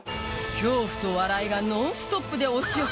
恐怖と笑いがノンストップで押し寄せる